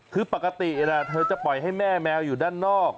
คือปกติเธอจะปล่อยให้แม่แมวอยู่ด้านนอก